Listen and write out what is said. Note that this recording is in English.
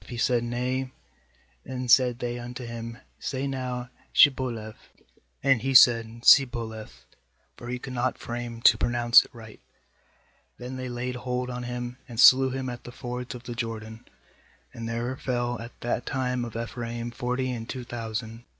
If he said: 'Nay'; ^hen said they unto him: 'Say now Shibboleth'; and he said 'Sibboleth'; for he could not frame to pronounce it right; then they laid hold on him, and slew him at the fords of the Jordan; and there fell at that tune of Ephraim forty and two thousand.